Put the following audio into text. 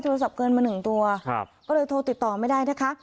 โทรศัพท์เกินมาหนึ่งตัวก็เลยโทรติดต่อไม่ได้นะคะ